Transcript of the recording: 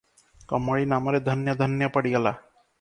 କମଳୀ ନାମରେ ଧନ୍ୟ ଧନ୍ୟ ପଡ଼ିଗଲା ।